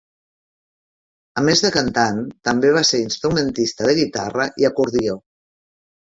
A més de cantant, també va ser instrumentista de guitarra i acordió.